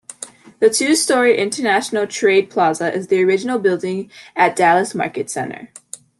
The two-story International Trade Plaza is the original building at Dallas Market Center.